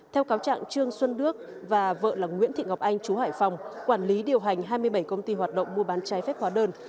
theo cáo trạng trương xuân đức và vợ là nguyễn thị ngọc anh chú hải phòng quản lý điều hành hai mươi bảy công ty hoạt động mua bán trái phép hóa đơn